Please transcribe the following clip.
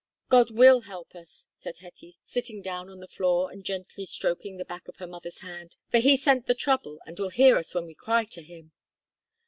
"God will help us," said Hetty, sitting down on the floor and gently stroking the back of her mother's hand, "for He sent the trouble, and will hear us when we cry to Him."